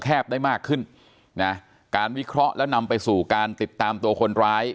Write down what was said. ได้มากขึ้นนะการวิเคราะห์แล้วนำไปสู่การติดตามตัวคนร้าย